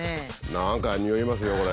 何かにおいますよこれ。